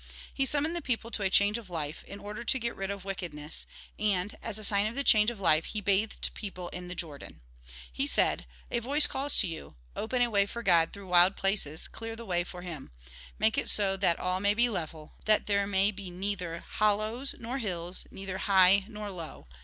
He summoned the people to a change of life, in order to get rid of wickedness ; and, as a sign of the change of life, he bathed people in the Jordan. He said :" A voice calls to you : Open a way for God through the wild places, clear the way for Him. Make it so that all may be level, that there may be neither hollows nor hills, neither high nor low.